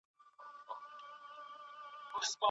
خپل کور په پوره پاکوالي سره تل روښانه وځلوئ.